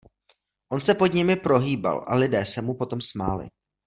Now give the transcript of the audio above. On se pod nimi prohýbal, a lidé se mu potom smáli.